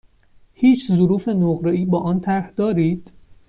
هیچ ظروف نقره ای با آن طرح دارید؟